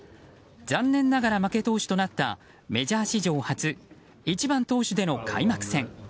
残念ながら負け投手となったメジャー史上初１番投手での開幕戦。